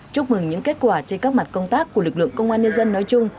chúc mừng những kết quả trên các mặt công tác của lực lượng công an nhân dân nói chung